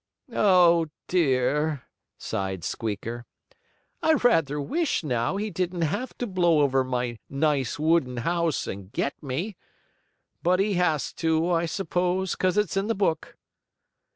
"Oh, dear!" sighed Squeaker. "I rather wish, now, he didn't have to blow over my nice wooden house, and get me. But he has to, I s'pose, 'cause it's in the book."